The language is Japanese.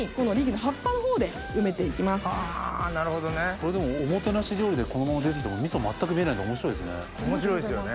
これおもてなし料理でこのまま出て来ても味噌全く見えないんで面白いですね。